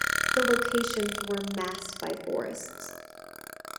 The locations were masked by forests.